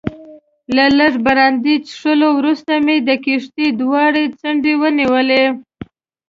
له لږ برانډي څښلو وروسته مې د کښتۍ دواړې څنډې ونیولې.